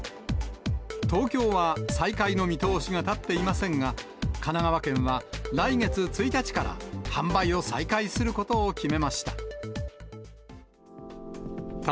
東京は再開の見通しが立っていませんが、神奈川県は来月１日から販売を再開することを決めました。